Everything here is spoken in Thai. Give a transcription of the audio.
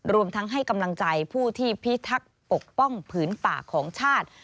รวมทั้งให้กำลังใจผู้ที่พิทักษ์ปกป้องผืนป่าของชาติ